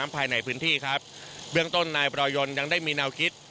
พื้นที่ครับเบื้องต้นนายประโยชน์ยังได้มีเน่าคิด